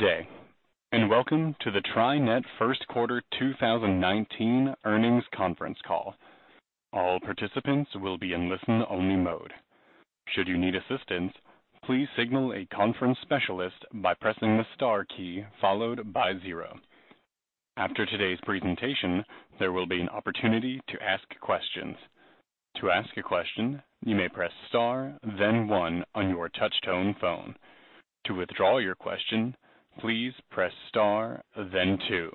Good day, welcome to the TriNet First Quarter 2019 Earnings Conference Call. All participants will be in listen-only mode. Should you need assistance, please signal a conference specialist by pressing the star key followed by zero. After today's presentation, there will be an opportunity to ask questions. To ask a question, you may press star then one on your touch-tone phone. To withdraw your question, please press star then two.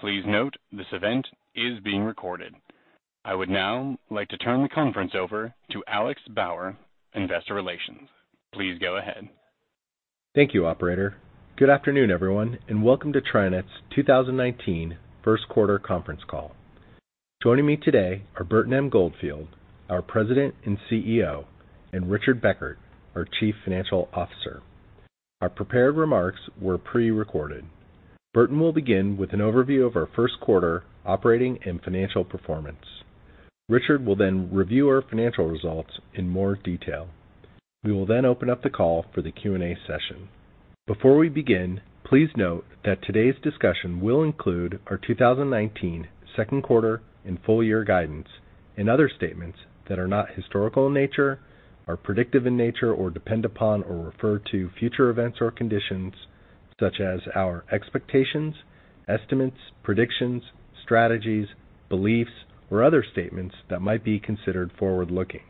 Please note this event is being recorded. I would now like to turn the conference over to Alex Bauer, Investor Relations. Please go ahead. Thank you, operator. Good afternoon, everyone, welcome to TriNet's 2019 First Quarter Conference Call. Joining me today are Burton M. Goldfield, our President and Chief Executive Officer, and Richard Beckert, our Chief Financial Officer. Our prepared remarks were pre-recorded. Burton will begin with an overview of our first quarter operating and financial performance. Richard will review our financial results in more detail. We will open up the call for the Q&A session. Before we begin, please note that today's discussion will include our 2019 second quarter and full year guidance and other statements that are not historical in nature, are predictive in nature, or depend upon or refer to future events or conditions such as our expectations, estimates, predictions, strategies, beliefs, or other statements that might be considered forward-looking.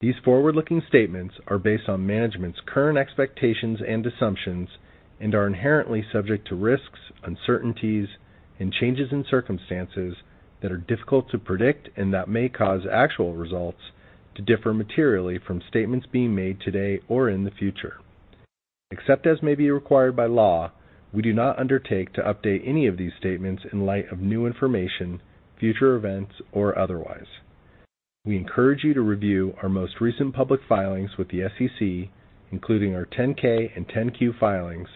These forward-looking statements are based on management's current expectations and assumptions are inherently subject to risks, uncertainties, and changes in circumstances that are difficult to predict and that may cause actual results to differ materially from statements being made today or in the future. Except as may be required by law, we do not undertake to update any of these statements in light of new information, future events, or otherwise. We encourage you to review our most recent public filings with the SEC, including our 10-K and 10-Q filings,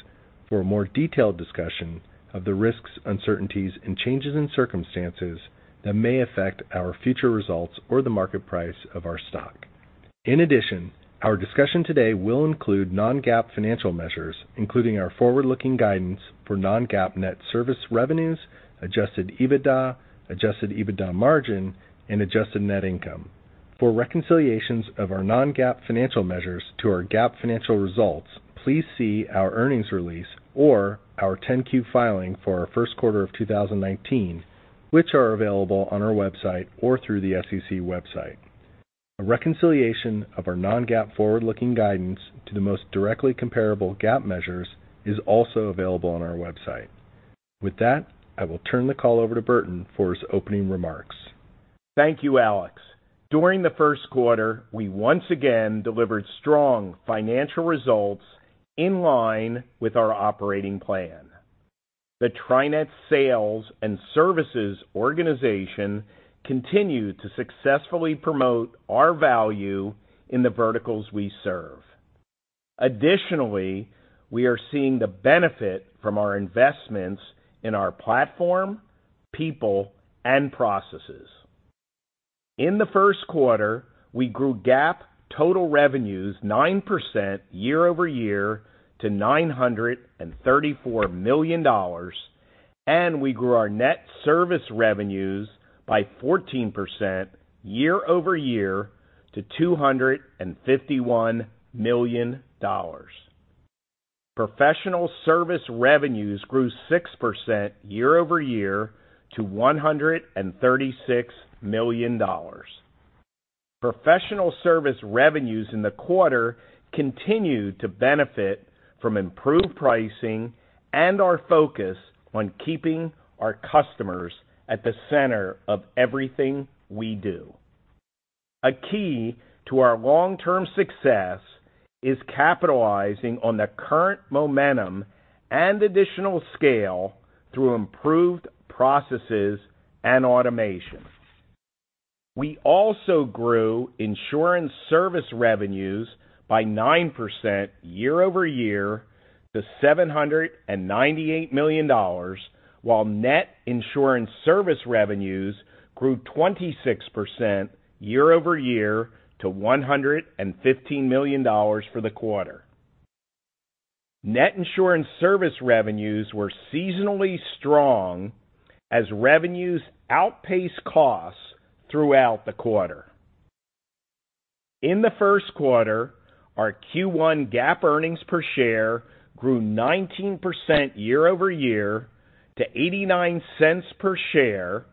for a more detailed discussion of the risks, uncertainties, and changes in circumstances that may affect our future results or the market price of our stock. In addition, our discussion today will include non-GAAP financial measures, including our forward-looking guidance for non-GAAP net service revenues, adjusted EBITDA, adjusted EBITDA margin, and adjusted net income. For reconciliations of our non-GAAP financial measures to our GAAP financial results, please see our earnings release or our 10-Q filing for our first quarter of 2019, which are available on our website or through the SEC website. A reconciliation of our non-GAAP forward-looking guidance to the most directly comparable GAAP measures is also available on our website. With that, I will turn the call over to Burton for his opening remarks. Thank you, Alex. During the first quarter, we once again delivered strong financial results in line with our operating plan. The TriNet sales and services organization continue to successfully promote our value in the verticals we serve. Additionally, we are seeing the benefit from our investments in our platform, people, and processes. In the first quarter, we grew GAAP total revenues 9% year-over-year to $934 million, and we grew our net service revenues by 14% year-over-year to $251 million. Professional service revenues grew 6% year-over-year to $136 million. Professional service revenues in the quarter continued to benefit from improved pricing and our focus on keeping our customers at the center of everything we do. A key to our long-term success is capitalizing on the current momentum and additional scale through improved processes and automation. We also grew insurance service revenues by 9% year-over-year to $798 million, while net insurance service revenues grew 26% year-over-year to $115 million for the quarter. Net insurance service revenues were seasonally strong as revenues outpaced costs throughout the quarter. In the first quarter, our Q1 GAAP earnings per share grew 19% year-over-year to $0.89 per share,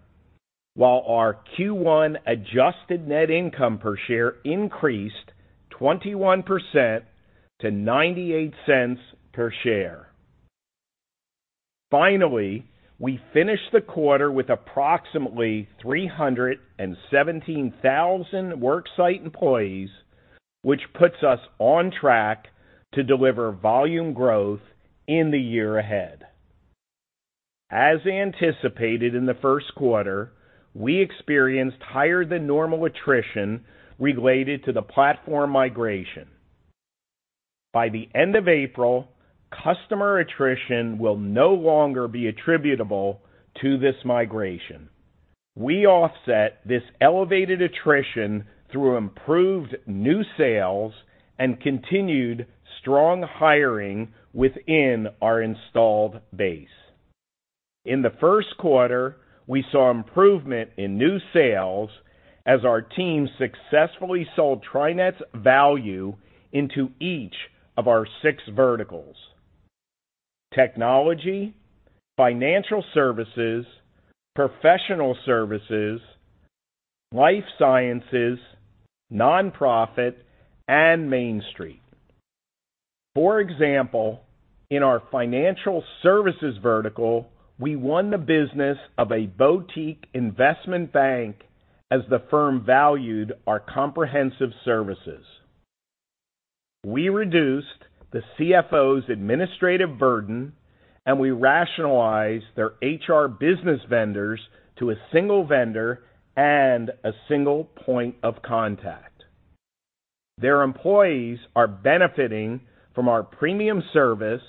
while our Q1 adjusted net income per share increased 21% to $0.98 per share. Finally, we finished the quarter with approximately 317,000 worksite employees, which puts us on track to deliver volume growth in the year ahead. As anticipated in the first quarter, we experienced higher than normal attrition related to the platform migration. By the end of April, customer attrition will no longer be attributable to this migration. We offset this elevated attrition through improved new sales and continued strong hiring within our installed base. In the first quarter, we saw improvement in new sales as our team successfully sold TriNet's value into each of our six verticals: technology, financial services, professional services, life sciences, non-profit, and main street. For example, in our financial services vertical, we won the business of a boutique investment bank as the firm valued our comprehensive services. We reduced the CFO's administrative burden, and we rationalized their HR business vendors to a single vendor and a single point of contact. Their employees are benefiting from our premium service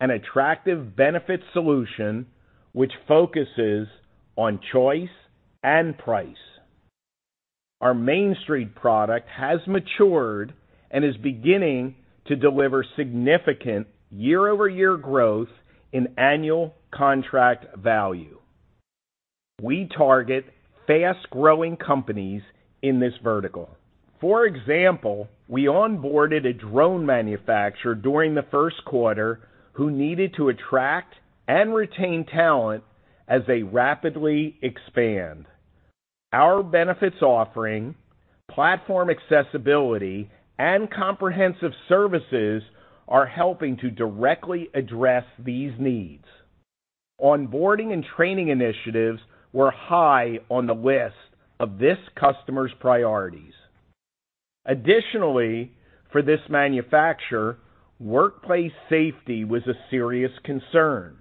and attractive benefit solution, which focuses on choice and price. Our Main Street product has matured and is beginning to deliver significant year-over-year growth in annual contract value. We target fast-growing companies in this vertical. For example, we onboarded a drone manufacturer during the first quarter who needed to attract and retain talent as they rapidly expand. Our benefits offering, platform accessibility, and comprehensive services are helping to directly address these needs. Onboarding and training initiatives were high on the list of this customer's priorities. Additionally, for this manufacturer, workplace safety was a serious concern.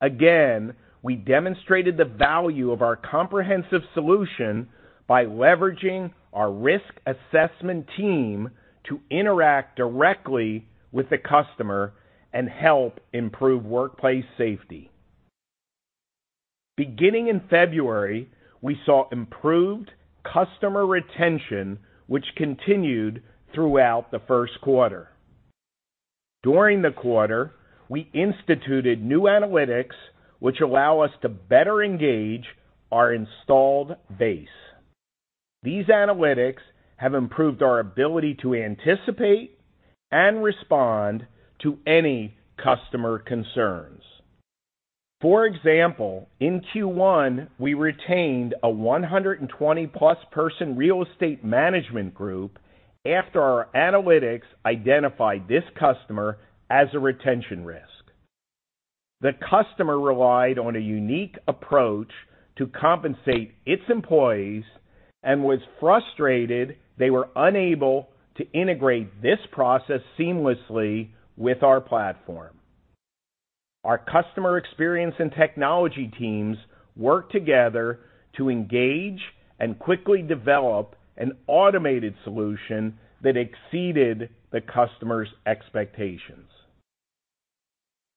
Again, we demonstrated the value of our comprehensive solution by leveraging our risk assessment team to interact directly with the customer and help improve workplace safety. Beginning in February, we saw improved customer retention, which continued throughout the first quarter. During the quarter, we instituted new analytics, which allow us to better engage our installed base. These analytics have improved our ability to anticipate and respond to any customer concerns. For example, in Q1, we retained a 120-plus person real estate management group after our analytics identified this customer as a retention risk. The customer relied on a unique approach to compensate its employees and was frustrated they were unable to integrate this process seamlessly with our platform. Our customer experience and technology teams worked together to engage and quickly develop an automated solution that exceeded the customer's expectations.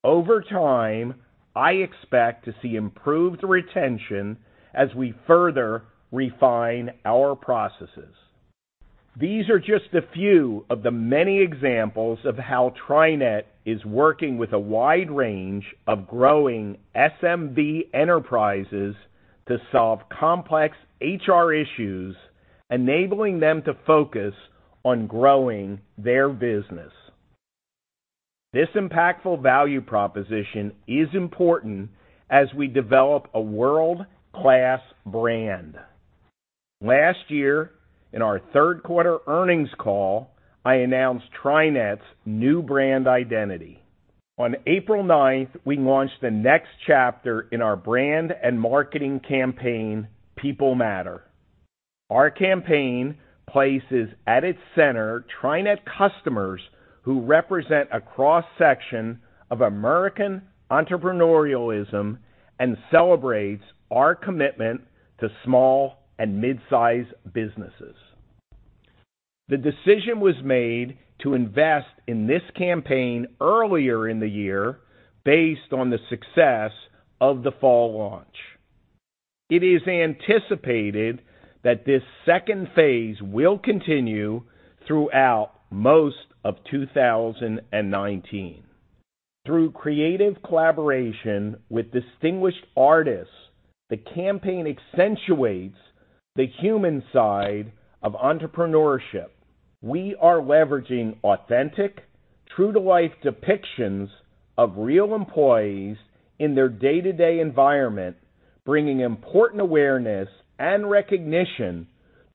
Over time, I expect to see improved retention as we further refine our processes. These are just a few of the many examples of how TriNet is working with a wide range of growing SMB enterprises to solve complex HR issues, enabling them to focus on growing their business. This impactful value proposition is important as we develop a world-class brand. Last year, in our third-quarter earnings call, I announced TriNet's new brand identity. On April 9th, we launched the next chapter in our brand and marketing campaign, People Matter. Our campaign places at its center TriNet customers who represent a cross-section of American entrepreneurialism and celebrates our commitment to small and mid-size businesses. The decision was made to invest in this campaign earlier in the year based on the success of the fall launch. It is anticipated that this second phase will continue throughout most of 2019. Through creative collaboration with distinguished artists, the campaign accentuates the human side of entrepreneurship. We are leveraging authentic, true-to-life depictions of real employees in their day-to-day environment, bringing important awareness and recognition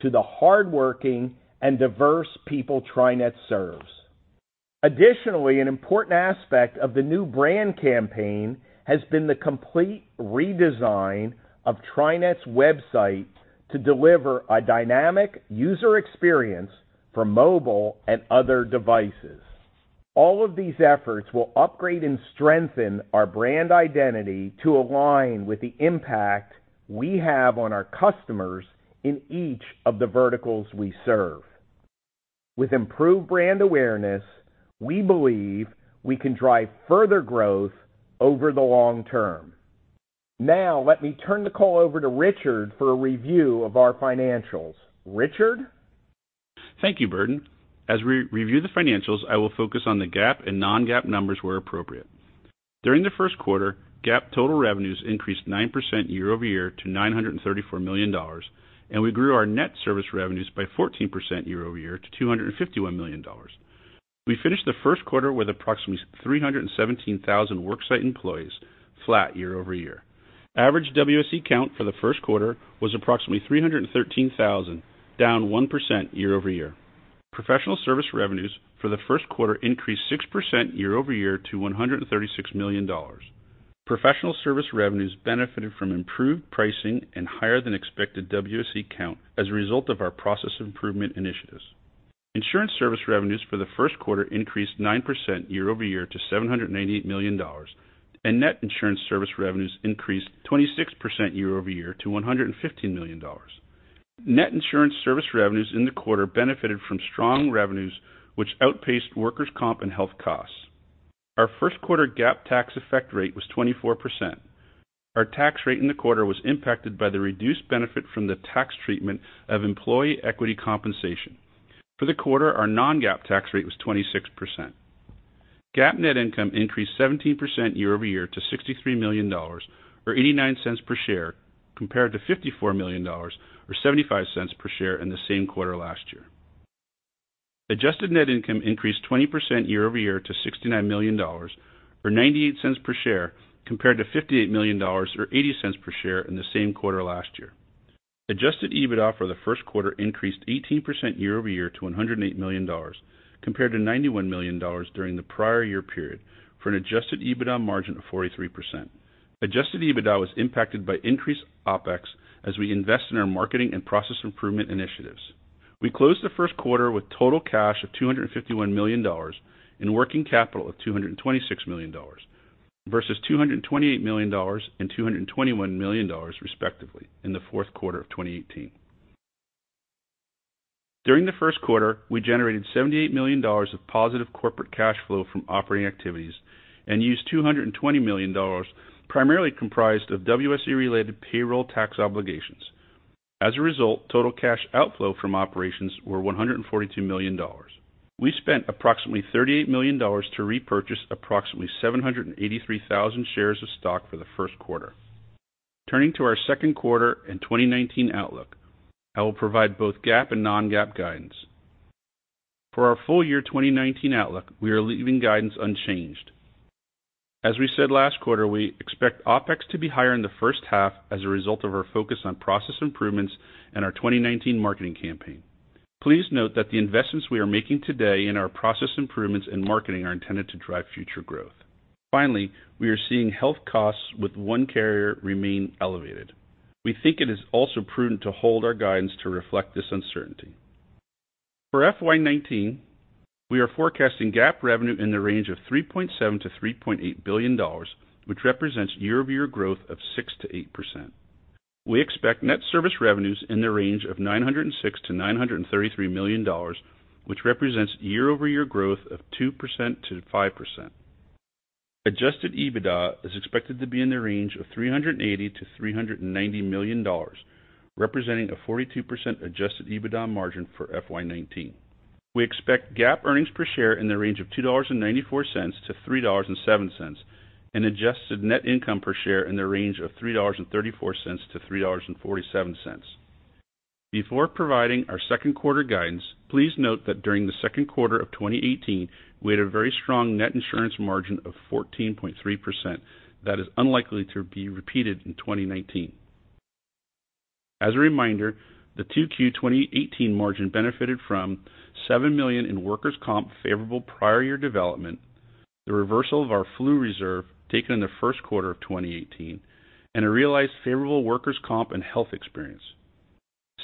to the hardworking and diverse people TriNet serves. Additionally, an important aspect of the new brand campaign has been the complete redesign of TriNet's website to deliver a dynamic user experience for mobile and other devices. All of these efforts will upgrade and strengthen our brand identity to align with the impact we have on our customers in each of the verticals we serve. With improved brand awareness, we believe we can drive further growth over the long term. Now, let me turn the call over to Richard for a review of our financials. Richard? Thank you, Burton. As we review the financials, I will focus on the GAAP and non-GAAP numbers where appropriate. During the first quarter, GAAP total revenues increased 9% year-over-year to $934 million, and we grew our net service revenues by 14% year-over-year to $251 million. We finished the first quarter with approximately 317,000 worksite employees, flat year-over-year. Average WSE count for the first quarter was approximately 313,000, down 1% year-over-year. Professional service revenues for the first quarter increased 6% year-over-year to $136 million. Professional service revenues benefited from improved pricing and higher than expected WSE count as a result of our process improvement initiatives. Insurance service revenues for the first quarter increased 9% year-over-year to $798 million, and net insurance service revenues increased 26% year-over-year to $115 million. Net insurance service revenues in the quarter benefited from strong revenues, which outpaced workers' comp and health costs. Our first quarter GAAP tax effect rate was 24%. Our tax rate in the quarter was impacted by the reduced benefit from the tax treatment of employee equity compensation. For the quarter, our non-GAAP tax rate was 26%. GAAP net income increased 17% year-over-year to $63 million, or $0.89 per share, compared to $54 million or $0.75 per share in the same quarter last year. Adjusted net income increased 20% year-over-year to $69 million, or $0.98 per share, compared to $58 million or $0.80 per share in the same quarter last year. Adjusted EBITDA for the first quarter increased 18% year-over-year to $108 million, compared to $91 million during the prior year period, for an adjusted EBITDA margin of 43%. Adjusted EBITDA was impacted by increased OpEx as we invest in our marketing and process improvement initiatives. We closed the first quarter with total cash of $251 million and working capital of $226 million versus $228 million and $221 million respectively in the fourth quarter of 2018. During the first quarter, we generated $78 million of positive corporate cash flow from operating activities and used $220 million, primarily comprised of WSE-related payroll tax obligations. As a result, total cash outflow from operations were $142 million. We spent approximately $38 million to repurchase approximately 783,000 shares of stock for the first quarter. Turning to our second quarter and 2019 outlook, I will provide both GAAP and non-GAAP guidance. For our full year 2019 outlook, we are leaving guidance unchanged. As we said last quarter, we expect OpEx to be higher in the first half as a result of our focus on process improvements and our 2019 marketing campaign. Please note that the investments we are making today in our process improvements in marketing are intended to drive future growth. Finally, we are seeing health costs with one carrier remain elevated. We think it is also prudent to hold our guidance to reflect this uncertainty. For FY '19, we are forecasting GAAP revenue in the range of $3.7 billion-$3.8 billion, which represents year-over-year growth of 6%-8%. We expect net service revenues in the range of $906 million-$933 million, which represents year-over-year growth of 2%-5%. Adjusted EBITDA is expected to be in the range of $380 million-$390 million, representing a 42% adjusted EBITDA margin for FY '19. We expect GAAP earnings per share in the range of $2.94-$3.07, and adjusted net income per share in the range of $3.34-$3.47. Before providing our second quarter guidance, please note that during the second quarter of 2018, we had a very strong net insurance margin of 14.3% that is unlikely to be repeated in 2019. As a reminder, the 2Q 2018 margin benefited from $7 million in workers' comp favorable prior year development, the reversal of our flu reserve taken in the first quarter of 2018, and a realized favorable workers' comp and health experience.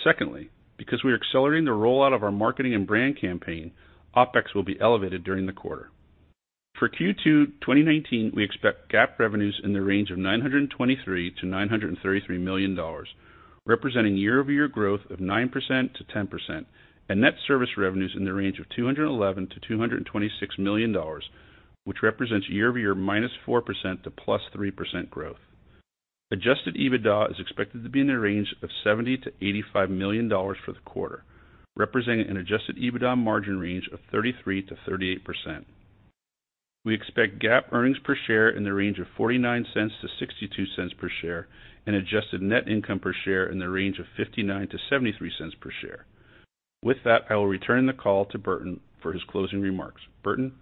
Secondly, because we're accelerating the rollout of our marketing and brand campaign, OpEx will be elevated during the quarter. For Q2 2019, we expect GAAP revenues in the range of $923 million-$933 million, representing year-over-year growth of 9%-10%, and net service revenues in the range of $211 million-$226 million, which represents year-over-year -4% to +3% growth. Adjusted EBITDA is expected to be in the range of $70 million-$85 million for the quarter, representing an adjusted EBITDA margin range of 33%-38%. We expect GAAP earnings per share in the range of $0.49-$0.62 per share and adjusted net income per share in the range of $0.59-$0.73 per share. With that, I will return the call to Burton for his closing remarks. Burton?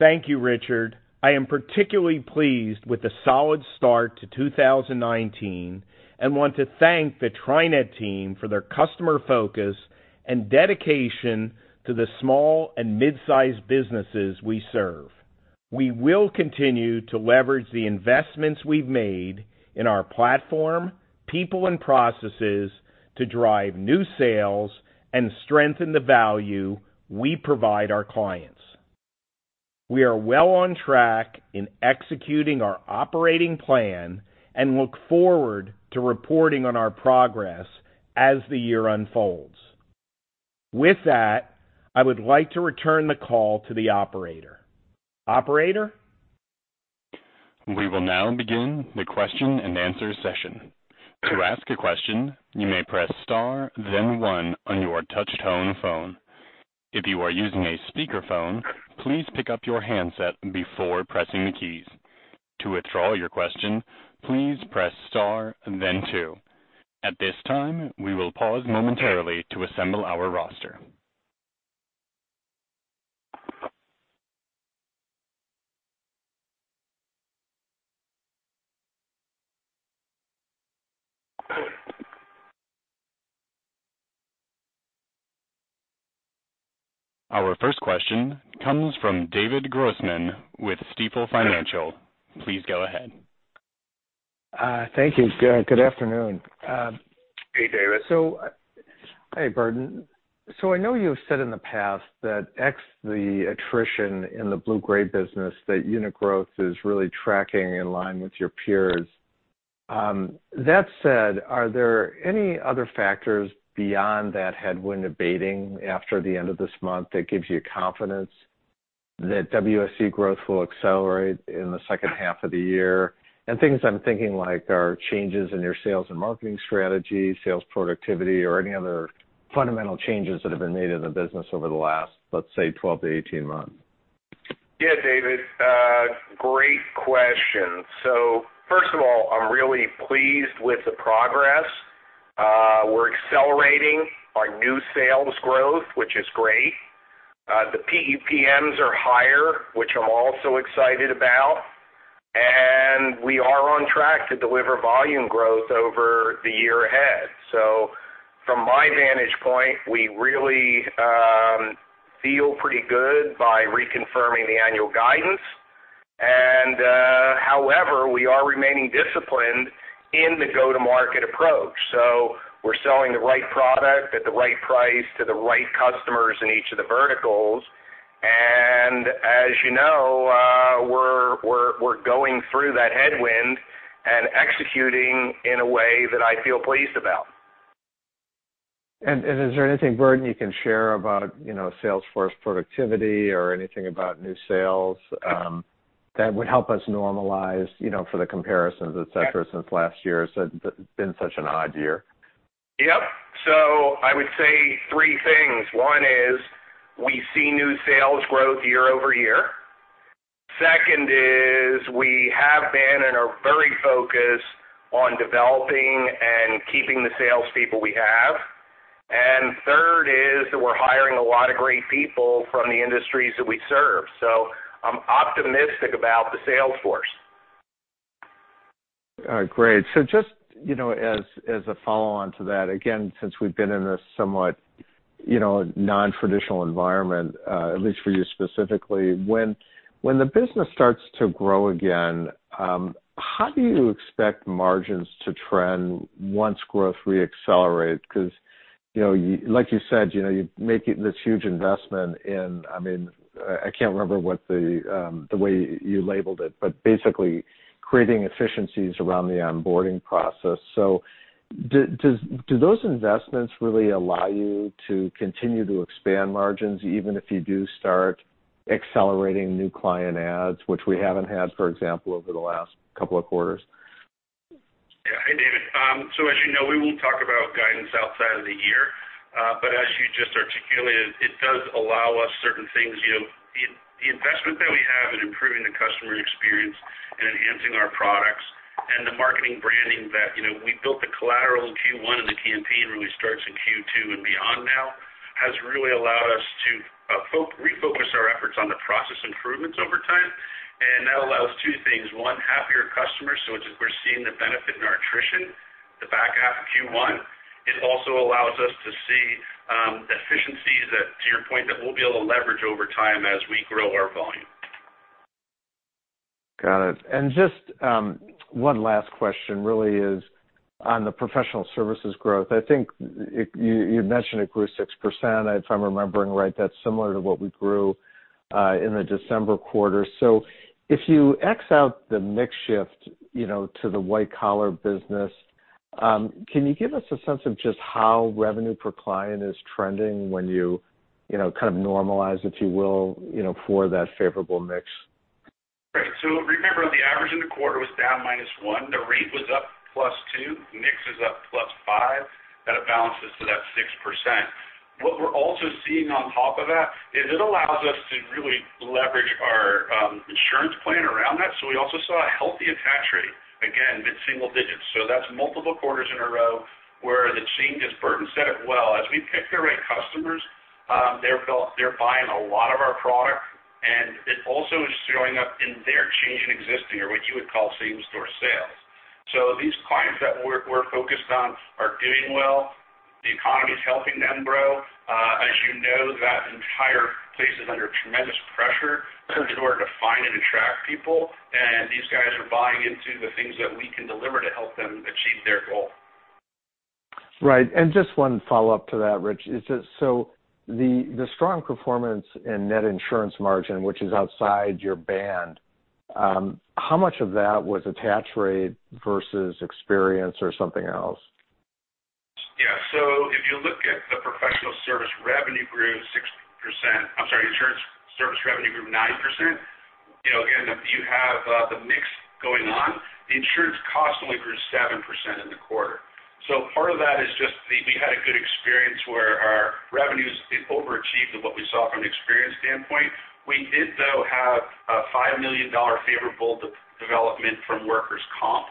Thank you, Richard. I am particularly pleased with the solid start to 2019 and want to thank the TriNet team for their customer focus and dedication to the small and mid-size businesses we serve. We will continue to leverage the investments we've made in our platform, people and processes to drive new sales and strengthen the value we provide our clients. We are well on track in executing our operating plan and look forward to reporting on our progress as the year unfolds. With that, I would like to return the call to the operator. Operator? We will now begin the question and answer session. To ask a question, you may press star then one on your touch tone phone. If you are using a speakerphone, please pick up your handset before pressing the keys. To withdraw your question, please press star and then two. At this time, we will pause momentarily to assemble our roster. Our first question comes from David Grossman with Stifel Financial. Please go ahead. Thank you. Good afternoon. Hey, David. Hey, Burton. I know you have said in the past that the attrition in the blue-gray business, that unit growth is really tracking in line with your peers. That said, are there any other factors beyond that headwind abating after the end of this month that gives you confidence that WSE growth will accelerate in the second half of the year? Things I'm thinking like, are changes in your sales and marketing strategy, sales productivity, or any other fundamental changes that have been made in the business over the last, let's say, 12-18 months? Yeah, David. Great question. First of all, I'm really pleased with the progress. We're accelerating our new sales growth, which is great. The PEPMs are higher, which I'm also excited about. We are on track to deliver volume growth over the year ahead. From my vantage point, we really feel pretty good by reconfirming the annual guidance. However, we are remaining disciplined in the go-to-market approach. We're selling the right product at the right price to the right customers in each of the verticals. As you know, we're going through that headwind and executing in a way that I feel pleased about. Is there anything, Burton, you can share about sales force productivity or anything about new sales that would help us normalize for the comparisons, et cetera, since last year has been such an odd year? Yep. I would say three things. One is we see new sales growth year-over-year. Second is we have been and are very focused on developing and keeping the sales people we have. Third is that we're hiring a lot of great people from the industries that we serve. I'm optimistic about the sales force. All right, great. Just as a follow-on to that, again, since we've been in a somewhat non-traditional environment, at least for you specifically, when the business starts to grow again, how do you expect margins to trend once growth re-accelerates? Because like you said, you make this huge investment in, I can't remember the way you labeled it, but basically creating efficiencies around the onboarding process. Do those investments really allow you to continue to expand margins, even if you do start accelerating new client adds, which we haven't had, for example, over the last couple of quarters? Yeah. Hi, David. As you know, we won't talk about guidance outside of the year. As you just articulated, it does allow us certain things. The investment that we have in improving the customer experience and enhancing our products and the marketing branding that we built the collateral in Q1 and the campaign really starts in Q2 and beyond now, has really allowed us to refocus our efforts on the process improvements over time. That allows two things. One, happier customers. We're seeing the benefit in our attrition the back half of Q1. It also allows us to see efficiencies that, to your point, that we'll be able to leverage over time as we grow our volume. Got it. Just one last question really is on the professional services growth. I think you mentioned it grew 6%, if I'm remembering right. That's similar to what we grew in the December quarter. If you X out the mix shift to the white collar business, can you give us a sense of just how revenue per client is trending when you kind of normalize, if you will, for that favorable mix? Right. Remember, on the average in the quarter was down minus one. The rate was up plus two. Mix is up plus five. That balances to that 6%. What we're also seeing on top of that is it allows us to really leverage our insurance plan around that. We also saw a healthy attach rate, again, mid-single digits. That's multiple quarters in a row where the team, as Burton said it well, as we pick the right customers, they're buying a lot of our product, and it also is showing up in their change in existing, or what you would call same-store sales. These clients that we're focused on are doing well. The economy's helping them grow. As you know, that entire place is under tremendous pressure in order to find and attract people. These guys are buying into the things that we can deliver to help them achieve their goal. Right. Just one follow-up to that, Rich. The strong performance in net insurance margin, which is outside your band, how much of that was attach rate versus experience or something else? Yeah. If you look at the professional service revenue grew 60%, I'm sorry, insurance service revenue grew 90%, if you have the mix going on, the insurance cost only grew 7% in the quarter. Part of that is just we had a good experience where our revenues overachieved of what we saw from an experience standpoint. We did, though, have a $5 million favorable development from workers' comp.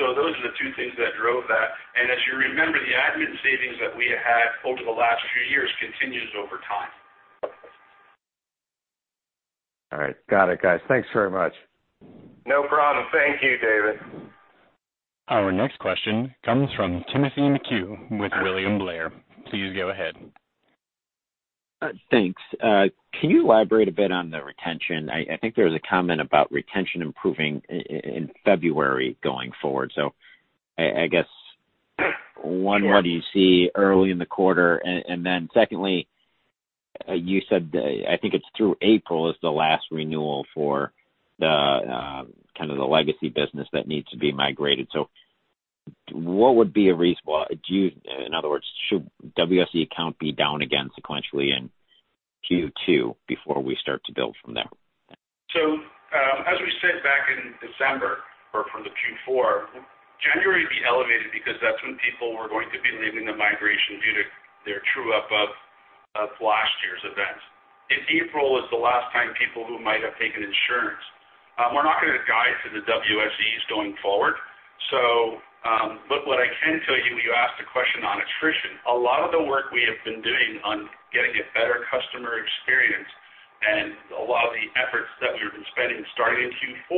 Those are the two things that drove that. As you remember, the admin savings that we had over the last few years continues over time. All right. Got it, guys. Thanks very much. No problem. Thank you, David. Our next question comes from Timothy McHugh with William Blair. Please go ahead. Thanks. Can you elaborate a bit on the retention? I think there was a comment about retention improving in February going forward. I guess one, what do you see early in the quarter? Sure. Secondly, you said, I think it's through April is the last renewal for the legacy business that needs to be migrated. What would be a reasonable. In other words, should WSE account be down again sequentially in Q2 before we start to build from there? As we said back in December, or from the Q4, January would be elevated because that's when people were going to be leaving the migration due to their true up of last year's events. In April is the last time people who might have taken insurance. We're not going to guide to the WSEs going forward. What I can tell you asked a question on attrition. A lot of the work we have been doing on getting a better customer experience and a lot of the efforts that we've been spending starting in Q4,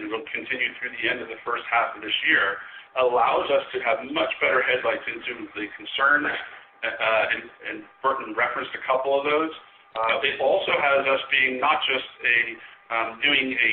and will continue through the end of the first half of this year, allows us to have much better headlights into the concerns, and Burton referenced a couple of those. It also has us being not just doing a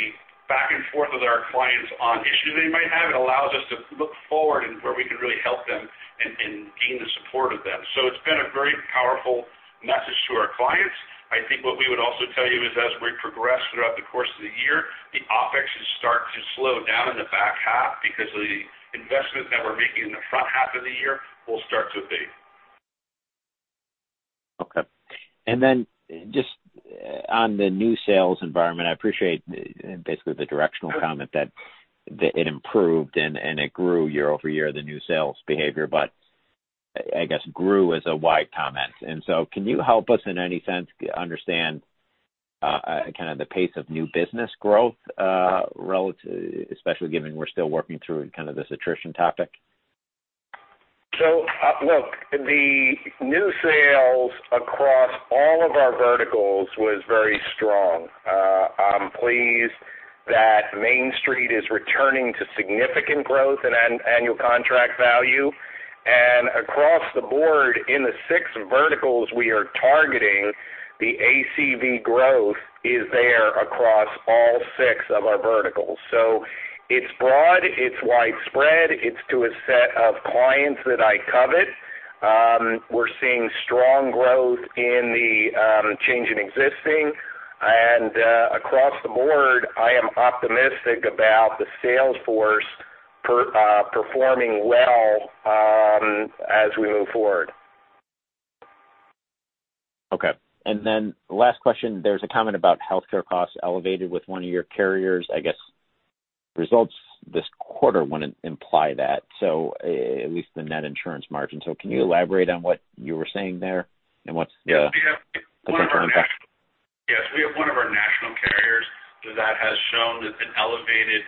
back and forth with our clients on issues they might have. It allows us to look forward and where we can really help them and gain the support of them. It's been a very powerful message to our clients. I think what we would also tell you is as we progress throughout the course of the year, the OpEx should start to slow down in the back half because the investments that we're making in the front half of the year will start to fade. Just on the new sales environment, I appreciate basically the directional comment that it improved and it grew year-over-year, the new sales behavior, but I guess grew is a wide comment. Can you help us in any sense understand the pace of new business growth, especially given we're still working through this attrition topic? The new sales across all of our verticals was very strong. I'm pleased that Main Street is returning to significant growth in annual contract value. Across the board in the six verticals we are targeting, the ACV growth is there across all six of our verticals. It's broad, it's widespread, it's to a set of clients that I covet. We're seeing strong growth in the change in existing. Across the board, I am optimistic about the sales force performing well as we move forward. Okay. Last question. There's a comment about healthcare costs elevated with one of your carriers. I guess results this quarter wouldn't imply that. At least the net insurance margin. Can you elaborate on what you were saying there and what's the potential impact? Yes. We have one of our national carriers that has shown that's been elevated,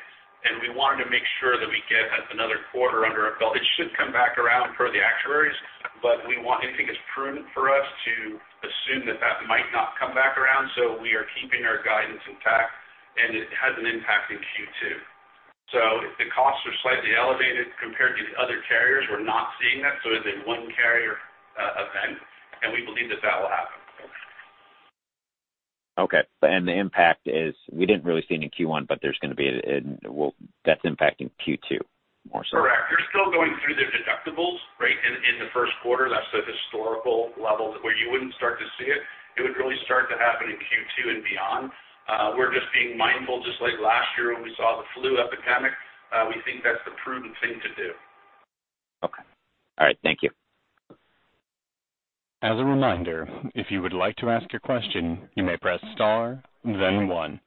we wanted to make sure that we get another quarter under our belt. It should come back around per the actuaries, we think it's prudent for us to assume that that might not come back around, we are keeping our guidance intact, it has an impact in Q2. If the costs are slightly elevated compared to the other carriers, we're not seeing that, it's a one carrier event, we believe that that will happen. Okay. The impact is we didn't really see any Q1, but that's impacting Q2 more so. Correct. They're still going through their deductibles, right? In the first quarter, that's the historical level where you wouldn't start to see it. It would really start to happen in Q2 and beyond. We're just being mindful, just like last year when we saw the flu epidemic. We think that's the prudent thing to do. Okay. All right. Thank you. As a reminder, if you would like to ask a question, you may press star then one.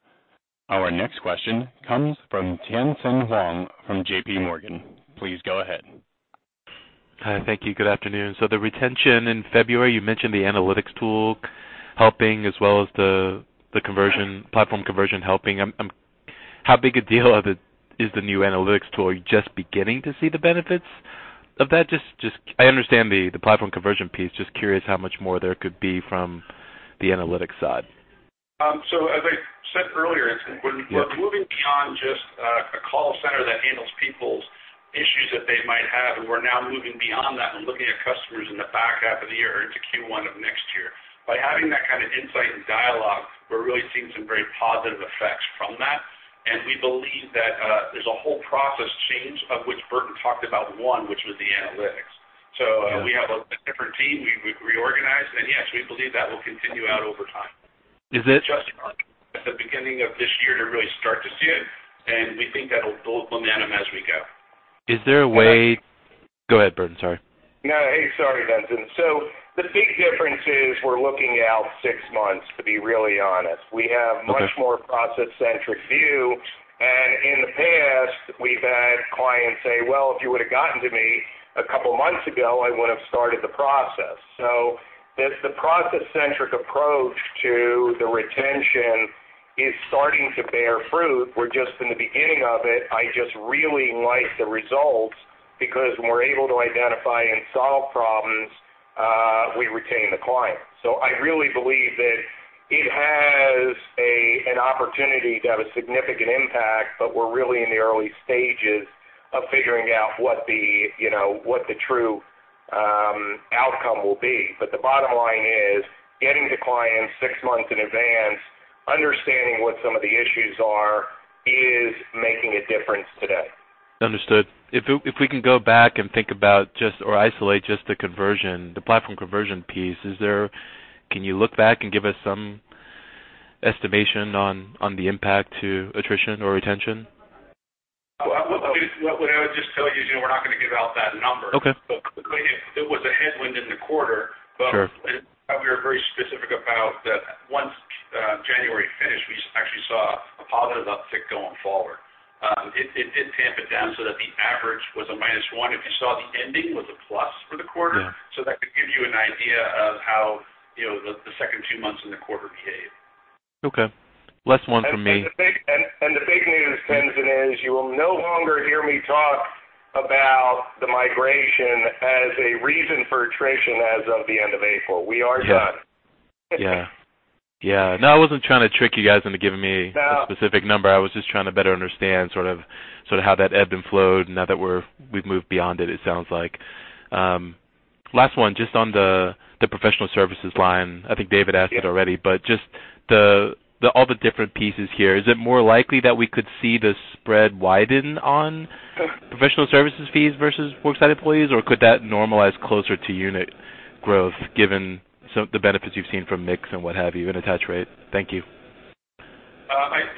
Our next question comes from Tien-tsin Huang from JPMorgan. Please go ahead. Hi. Thank you. Good afternoon. The retention in February, you mentioned the analytics tool helping as well as the platform conversion helping. How big a deal is the new analytics tool? Are you just beginning to see the benefits of that? I understand the platform conversion piece, just curious how much more there could be from the analytics side. As I said earlier, Tien, we're moving beyond just a call center that handles people's issues that they might have, and we're now moving beyond that and looking at customers in the back half of the year into Q1 of next year. By having that kind of insight and dialogue, we're really seeing some very positive effects from that, and we believe that there's a whole process change, of which Burton talked about one, which was the analytics. We have a different team. We've reorganized. Yes, we believe that will continue out over time. Is it- Just at the beginning of this year to really start to see it, and we think that'll build momentum as we go. Is there a way Go ahead, Burton, sorry. No, sorry, [Vincent]. The big difference is we're looking out six months, to be really honest. Okay. We have much more process-centric view. In the past, we've had clients say, "Well, if you would've gotten to me a couple months ago, I would've started the process." It's the process-centric approach to the retention is starting to bear fruit. We're just in the beginning of it. I just really like the results because when we're able to identify and solve problems, we retain the client. I really believe that it has an opportunity to have a significant impact, but we're really in the early stages of figuring out what the true outcome will be. The bottom line is getting the clients six months in advance, understanding what some of the issues are, is making a difference today. Understood. If we can go back and think about or isolate just the conversion, the platform conversion piece, can you look back and give us some estimation on the impact to attrition or retention? What I would just tell you is we're not going to give out that number. Okay. It was a headwind in the quarter. Sure. We were very specific about that once January finished, we actually saw a positive uptick going forward. It did tamp it down so that the average was a minus one. If you saw the ending was a plus for the quarter. Yeah. That could give you an idea of how the second two months in the quarter behaved. Okay. Less one from me. The big news, Vincent, is you will no longer hear me talk about the migration as a reason for attrition as of the end of April. We are done. Yeah. No, I wasn't trying to trick you guys into giving me. No A specific number. I was just trying to better understand how that ebbed and flowed now that we've moved beyond it sounds like. Last one, just on the professional services line. I think David asked it already, but just all the different pieces here, is it more likely that we could see the spread widen on professional services fees versus worksite employees, or could that normalize closer to unit growth given the benefits you've seen from mix and what have you, and attach rate? Thank you.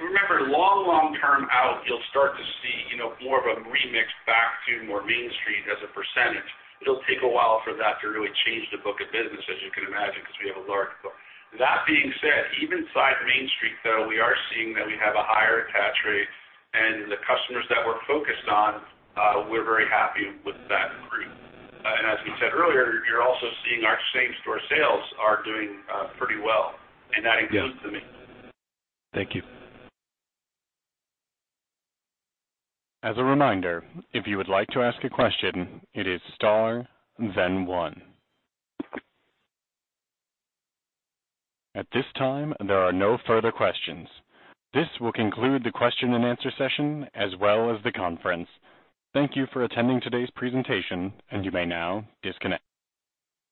Remember, long, long term out, you'll start to see more of a remix back to more Main Street as a percentage. It'll take a while for that to really change the book of business, as you can imagine, because we have a large book. That being said, even inside Main Street, though, we are seeing that we have a higher attach rate, and the customers that we're focused on, we're very happy with that group. As we said earlier, you're also seeing our same-store sales are doing pretty well, and that includes the mix. Thank you. As a reminder, if you would like to ask a question, it is star then one. At this time, there are no further questions. This will conclude the question and answer session, as well as the conference. Thank you for attending today's presentation. You may now disconnect.